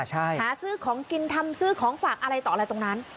หาซื้อของกินทำซื้อของฝากอะไรต่ออะไรตรงนั้น